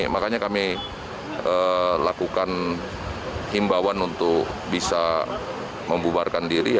makanya kami lakukan himbawan untuk bisa membubarkan diri